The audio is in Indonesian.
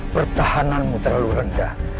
pertahananmu terlalu rendah